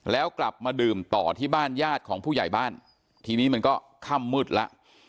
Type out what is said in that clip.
แล้วกลับมาดื่มต่อที่บ้านญาติของผู้ใหญ่บ้านทีนี้มันก็ค่ำมืดแล้ว